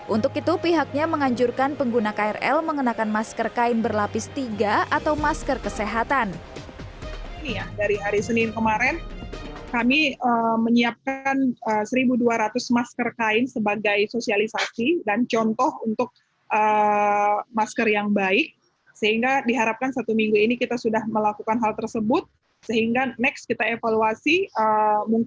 untuk itu pihaknya menganjurkan pengguna krl mengenakan masker kain berlapis tiga atau masker kesehatan